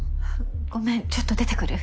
ごめんちょっと出てくる。